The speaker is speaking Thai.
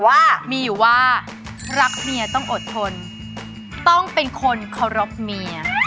พี่กาวมีว่ารักเมียต้องอดทนต้องเป็นคนเคารักเมีย